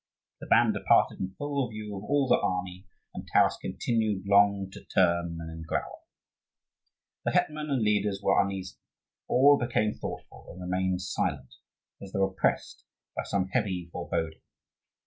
The band departed in full view of all the army, and Taras continued long to turn and glower. The hetman and leaders were uneasy; all became thoughtful, and remained silent, as though oppressed by some heavy foreboding.